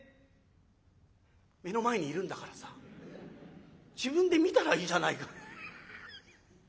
「目の前にいるんだからさ自分で見たらいいじゃないか」。